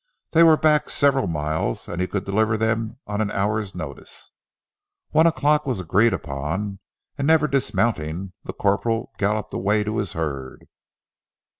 They were back several miles, and he could deliver them on an hour's notice. One o'clock was agreed upon, and, never dismounting, the corporal galloped away to his herd.